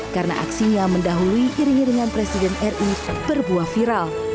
karena aksinya mendahului iring iringan presiden ri berbuah viral